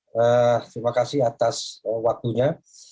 terima kasih atas waktunya